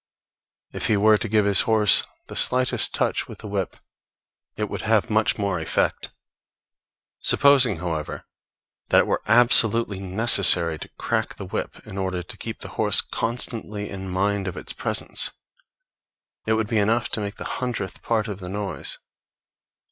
If he were to give his horse the slightest touch with the whip, it would have much more effect. Supposing, however, that it were absolutely necessary to crack the whip in order to keep the horse constantly in mind of its presence, it would be enough to make the hundredth part of the noise.